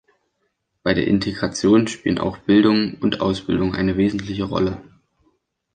Bei der Integration spielen auch Bildung und Ausbildung eine wesentliche Rolle.